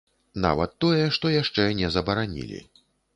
Нават тое, што яшчэ не забаранілі.